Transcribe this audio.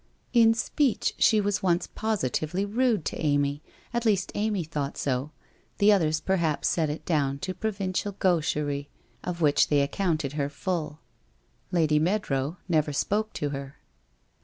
In speech she was once positively rude to Amy, at least Amy thought so, the others perhaps set it down to pro vincial gaucherie, of which they accounted her full. Lady Meadrow never spoke to her.